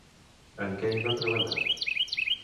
En què hi va treballar?